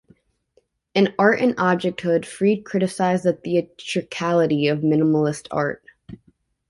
In "Art and Objecthood" Fried criticised the "theatricality" of Minimalist art.